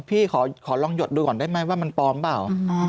พี่ขอลองหยดดูก่อนได้ไหมว่ามันปลอมเปล่า